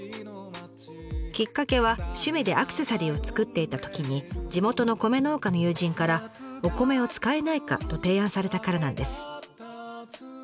きっかけは趣味でアクセサリーを作っていたときに地元の米農家の友人からお米を使えないかと提案されたからなんです。